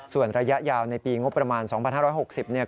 ส่วนระยะยาวในปีงบประมาณ๒๕๖๐เนี่ย